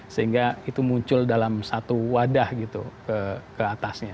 sehingga itu muncul dalam satu wadah gitu ke atasnya